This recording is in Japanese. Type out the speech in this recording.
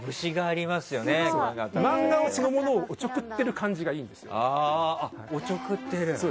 漫画そのものをおちょくってる感じがいいんです。